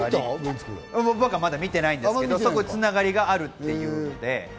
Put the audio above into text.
僕はまだ見てないんですけど、そこ繋がりがあるっていうね。